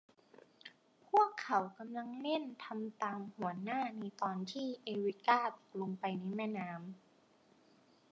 พวกเขานั้นกำลังเล่น ทำตามหัวหน้า ในตอนที่ เอริก้าตกลงไปในแม่น้ำ